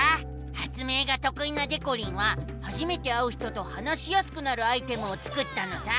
発明がとくいなでこりんは初めて会う人と話しやすくなるアイテムを作ったのさ！